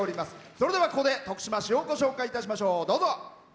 それでは、ここで徳島市をご紹介いたしましょう。